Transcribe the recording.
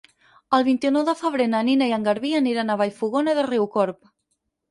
El vint-i-nou de febrer na Nina i en Garbí aniran a Vallfogona de Riucorb.